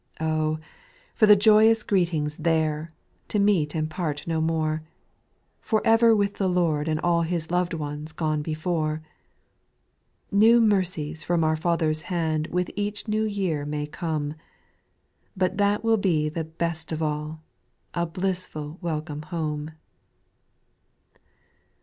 6. Oh 1 for the joyous greetings there^ to meet and part no more ; For ever with the Lord and all His lov'd ones gone before ! New mercies from our Father's hand with each new year may come. But that will be the best of all, — a blissful welcome home.